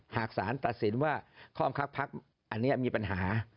หากศาสตร์ตัดสินว่าข้อมคับภักดิ์อันนี้มีปัญหา